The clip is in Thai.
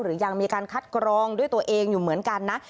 หรือยังมีการคัดกรองด้วยตัวเองอยู่เหมือนกันนะ